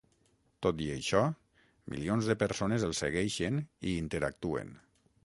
Tot i això, milions de persones el segueixen i hi interactuen.